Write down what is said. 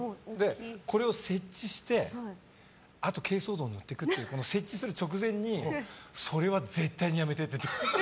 これを設置してあと珪藻土を塗っていくという設置する直前にそれは絶対にやめてって。